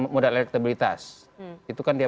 modal elektabilitas itu kan dia